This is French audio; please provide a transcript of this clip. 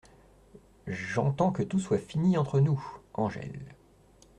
J’entends que tout soit fini entre nous !" Angèle .